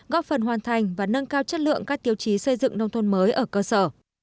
góp phần hoàn thành và nâng cao chất lượng các tiêu chí xây dựng nông thôn mới ở cơ sở